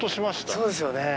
そうですよね。